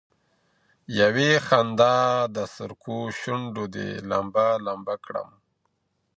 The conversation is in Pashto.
يوې خندا د سركو شونډو دي لمبه، لــمــبــه كړم